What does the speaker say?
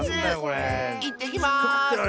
いってきます！